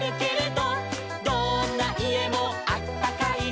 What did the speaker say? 「どんないえもあったかい」